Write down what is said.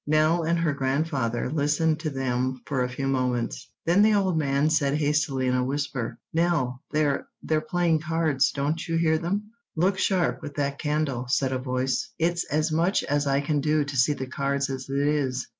Nell and her grandfather listened to them for a few moments. Then the old man said hastily in a whisper,— "Nell, they're—they're playing cards. Don't you hear them?" "Look sharp with that candle," said a voice; "it's as much as I can do to see the cards as it is.